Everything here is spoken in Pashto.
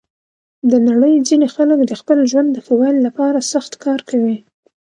د نړۍ ځینې خلک د خپل ژوند د ښه والي لپاره سخت کار کوي.